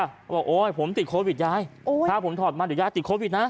บอกโอ๊ยผมติดโควิดยายถ้าผมถอดมาเดี๋ยวยายติดโควิดนะ